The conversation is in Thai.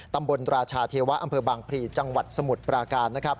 ตำบลราชาเทวะอำเภอบางพลีจังหวัดสมุทรปราการ